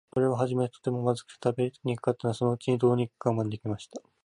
これははじめは、とても、まずくて食べにくかったのですが、そのうちに、どうにか我慢できました。